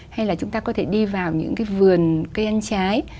hay là chúng ta có thể đi vào những cái vườn cây ăn trái